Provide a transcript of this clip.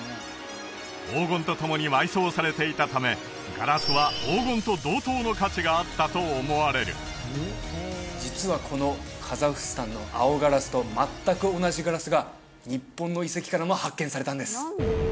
黄金と共に埋葬されていたためガラスは黄金と同等の価値があったと思われる実はこのカザフスタンの青ガラスと全く同じガラスが日本の遺跡からも発見されたんです